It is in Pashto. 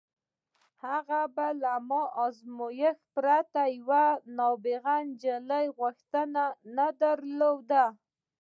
هغه به له ازمایښت پرته د یوې نابغه نجلۍ غوښتنه نه ردوله